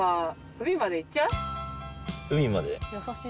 海まで？